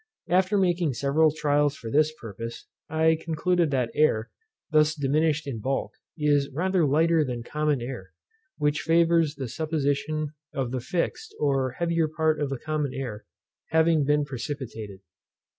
After making several trials for this purpose, I concluded that air, thus diminished in bulk, is rather lighter than common air, which favours the supposition of the fixed, or heavier part of the common air, having been precipitated.